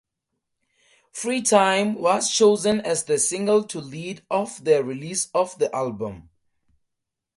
"Freetime" was chosen as the single to lead off the release of the album.